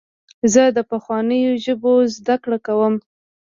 زه د پخوانیو ژبو زدهکړه کوم.